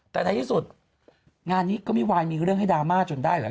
แต่ในที่สุดงานนี้ก็มิวายมีเรื่องให้ดามาส์จนได้นะ